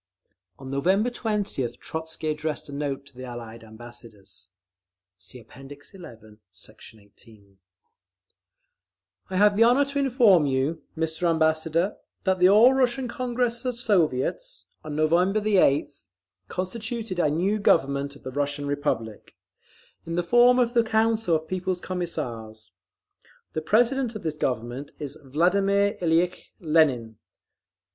On November 20th Trotzky addressed a note to the Allied Ambassadors: (See App. XI, Sect. 18) I have the honour to inform you, Mr. Ambassador, that the All Russian Congress of Soviets… on November 8th constituted a new Government of the Russian Republic, in the form of the Council of People's Commissars. The President of this Government is Vladimir Ilyitch Lenin.